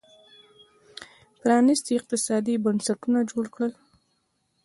پرانېستي اقتصادي بنسټونه جوړ کړل